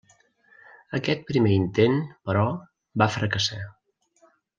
Aquest primer intent, però, va fracassar.